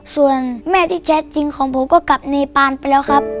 ส่วนแม่ที่แท้จริงของผมก็กลับเนปานไปแล้วครับ